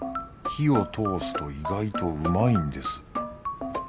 「火を通すと意外と旨いんです」。